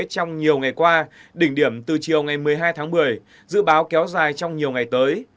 trong nhiều ngày qua đỉnh điểm từ chiều ngày một mươi hai tháng một mươi dự báo kéo dài trong nhiều ngày tới